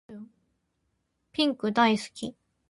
ピンク大好き